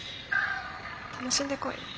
楽しんでこい。